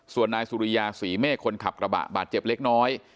ส่วนนายสุริยาศรีเมฆคนขับกระบะบาดเจ็บเล็กน้อย